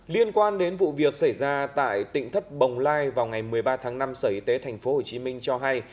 liên quan đến vụ việc xảy ra tại tỉnh thất bồng lai vào ngày một mươi ba tháng năm sở y tế tp hcm cho hay